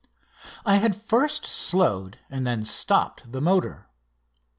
I had first slowed and then stopped the motor.